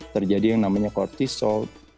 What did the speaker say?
terjadi yang namanya kortisol